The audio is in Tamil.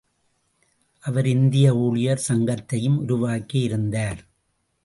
அவர் இந்திய ஊழியர் சங்கத்தையும் உருவாக்கி இருந்தார்.